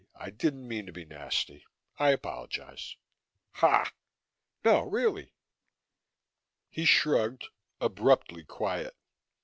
I didn't mean to be nasty. I apologize." "Hah!" "No, really." He shrugged, abruptly quiet.